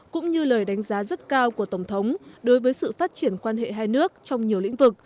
cũng như lời đánh giá rất cao của tổng thống đối với sự phát triển quan hệ hai nước trong nhiều lĩnh vực